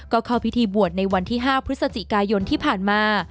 ก็เข้าพิธีบวชในวันที่๕พฤศจิกายนที่ผ่านมา